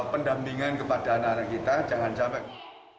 pendampingan kepada anak anak kita jangan sampai